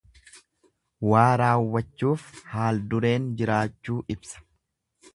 Waa raawwachuuf haaldurdeen jiraachuu ibsa